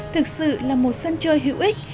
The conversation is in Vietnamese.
thực sự là một sân chơi hữu ích